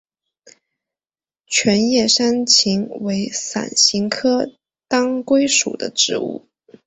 全叶山芹为伞形科当归属的植物。